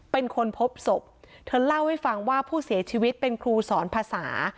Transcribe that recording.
เป็นคนพบศพเธอเล่าให้ฟังว่าผู้เสียชีวิตเป็นครูสอนภาษา